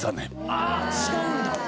あっ違うんだ。